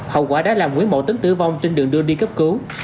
hậu quả đã làm nguyễn mộ tính tử vong trên đường đưa đi cấp cứu